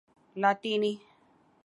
لاطینی